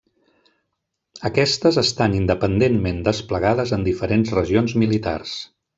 Aquestes estan independentment desplegades en diferents regions militars.